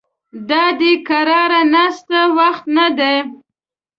دا د قرارې ناستې وخت نه دی